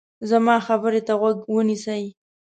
زما خبرې ته غوږ ونیسئ.